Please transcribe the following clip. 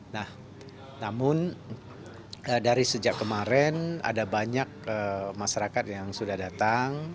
nah namun dari sejak kemarin ada banyak masyarakat yang sudah datang